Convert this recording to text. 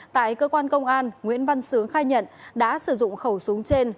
tại cơ quan công an nguyễn văn sướng khai nhận đã sử dụng khẩu súng trên